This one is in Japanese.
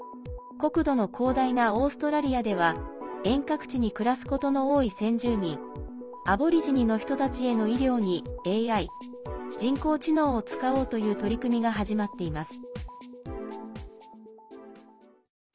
国土の広大なオーストラリアでは遠隔地に暮らすことの多い先住民アボリジニの人たちへの医療にＡＩ＝人工知能を使おうという取り組みが始まっています。